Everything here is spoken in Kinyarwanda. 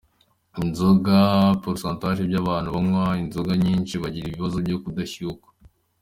Inzoga :% by’abantu banywa inzoga nyinshi bagira ikibazo cyo kudashyukwa.